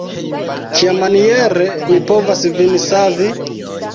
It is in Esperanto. Kiamaniere mi povas vin savi?